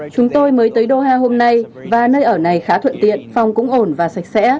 chúng tôi mới tới doha hôm nay và nơi ở này khá thuận tiện phòng cũng ổn và sạch sẽ